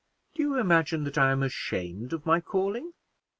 Do you imagine that I am ashamed of my calling?"